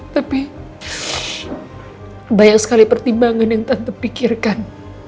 tapi banyak sekali pertimbangan yang tante pikirkan